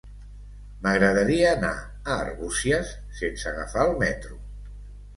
M'agradaria anar a Arbúcies sense agafar el metro.